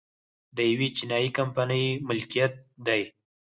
د یوې چینايي کمپنۍ ملکیت دی